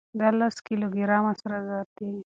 دا لس کيلو ګرامه سره زر دي.